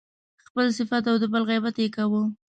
خپل صفت او د بل غیبت يې کاوه.